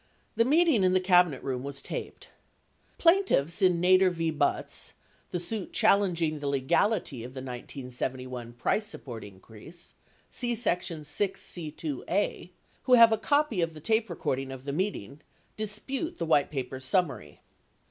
89 The meeting in the Cabinet Room was taped. Plaintiffs in Nader v. Butz (the suit challenging the legality of the 1971 price support increase, see section VI.C.2.a), who have a copy of the tape recording of the meeting, 90 dispute the White Paper's summary.